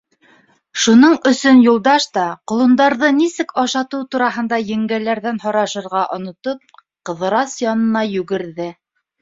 Шуның өсөн Юлдаш та, ҡолондарҙы нисек ашатыу тураһында еңгәләрҙән һорашырға онотоп, Ҡыҙырас янына йүгерҙе.